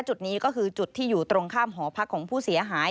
จุดนี้ก็คือจุดที่อยู่ตรงข้ามหอพักของผู้เสียหาย